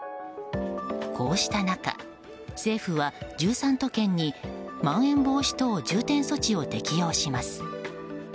こうした中、政府は１３都県にまん延防止等重点措置を適用します。